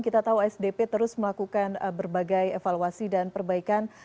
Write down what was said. kita tahu sdp terus melakukan berbagai evaluasi dan perbaikan